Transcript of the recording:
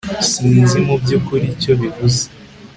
sinzi mubyukuri icyo bivuze